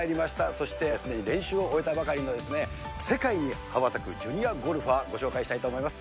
そしてすでに練習を終えたばかりの世界に羽ばたくジュニアゴルファー、ご紹介したいと思います。